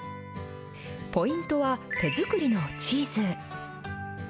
ポイントは、手作りのチーズ。